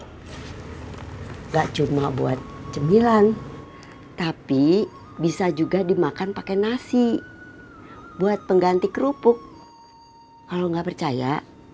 hai gak cuma buat cemilan tapi bisa juga dimakan pakai nasi buat pengganti kerupuk kalau nggak percaya